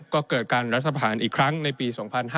ก็เกิดการรัฐผ่านอีกครั้งในปี๒๕๕๙